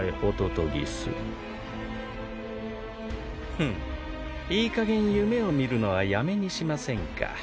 フッいいかげん夢を見るのはやめにしませんか？